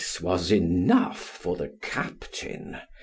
was enough for the captain.